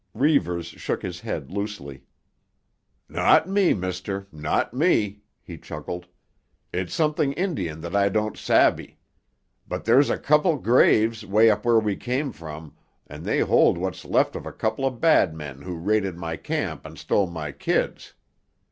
Reivers shook his head loosely. "Not me, mister, not me," he chuckled. "It's something Indian that I don't sabbe. But there's a couple graves 'way up where we came from, and they hold what's left of a couple of bad men who raided my camp and stole my kids.